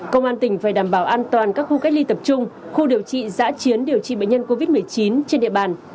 công an tỉnh phải đảm bảo an toàn các khu cách ly tập trung khu điều trị giã chiến điều trị bệnh nhân covid một mươi chín trên địa bàn